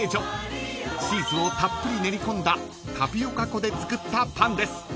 ［チーズをたっぷり練り込んだタピオカ粉で作ったパンです］